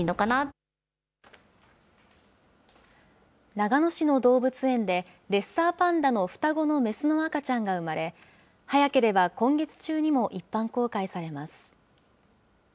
長野市の動物園で、レッサーパンダの双子の雌の赤ちゃんが産まれ、早ければ今月中にも一般公開されます。